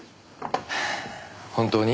本当に？